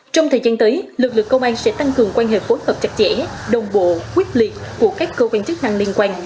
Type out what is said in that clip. trong thời gian tới lực lượng công an sẽ tăng cường quan hệ phối hợp chặt chẽ đồng bộ quyết liệt của các cơ quan chức năng liên quan